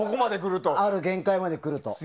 ある限界までくると。